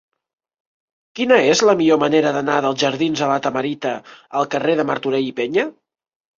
Quina és la millor manera d'anar dels jardins de La Tamarita al carrer de Martorell i Peña?